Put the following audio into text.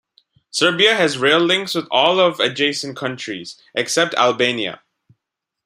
Serbia has rail links with all of adjacent countries, except Albania.